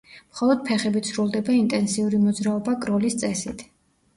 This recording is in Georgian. მხოლოდ ფეხებით სრულდება ინტენსიური მოძრაობა კროლის წესით.